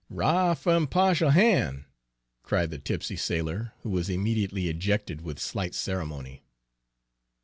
"'Rah f' 'mpa'tial ban'!" cried the tipsy sailor, who was immediately ejected with slight ceremony.